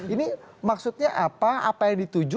ini maksudnya apa apa yang dituju